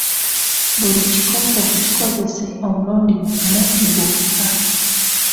Buli kikopo kikozese omulundi gumu gwokka